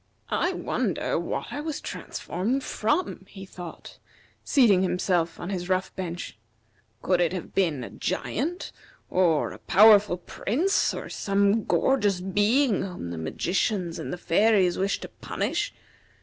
"I wonder what I was transformed from?" he thought, seating himself on his rough bench. "Could it have been a giant, or a powerful prince, or some gorgeous being whom the magicians or the fairies wished to punish?